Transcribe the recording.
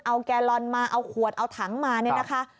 เอาแกลลอนมาเอาขวดเอาถังมาเนี่ยนะคะ